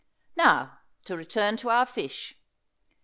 Now to return to our fish.